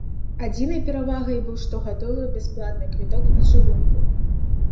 Адзінай перавагай быў штогадовы бясплатны квіток на чыгунку.